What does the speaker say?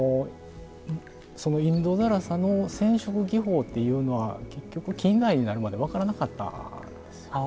そのインド更紗の染織技法っていうのは結局近代になるまで分からなかったんですよね。